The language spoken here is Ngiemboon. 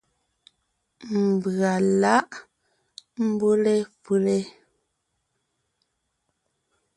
Mbʉ̀a lǎʼ mbʉ́le pʉ́le.